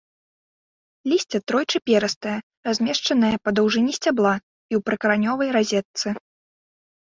Лісце тройчы перыстае, размешчанае па даўжыні сцябла і ў прыкаранёвай разетцы.